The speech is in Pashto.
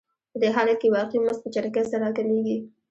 په دې حالت کې واقعي مزد په چټکۍ سره راکمېږي